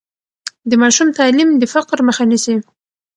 د ماشوم تعلیم د فقر مخه نیسي.